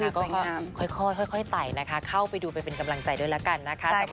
ก็ค่อยไต่นะคะเข้าไปดูไปเป็นกำลังใจด้วยละกันนะคะ